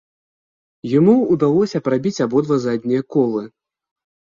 Яму ўдалося прабіць абодва заднія колы.